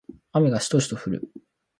雨がしとしと降る